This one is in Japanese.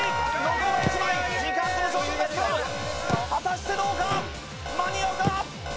残りは１枚時間との勝負になった果たしてどうか間に合うか？